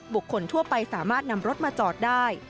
คนทั่วไปสามารถนำรถมาจอดได้